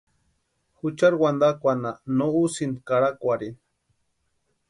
Juchari wantankwanha no úsïnti karakwarhini.